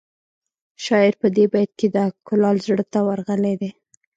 شاعر په دې بیت کې د کلال زړه ته ورغلی دی